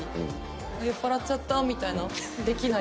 「酔っ払っちゃった」みたいなできない。